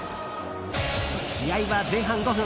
試合は前半５分。